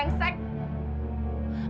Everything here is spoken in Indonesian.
kamu udah seberengsek